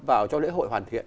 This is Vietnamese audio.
vào cho lễ hội hoàn thiện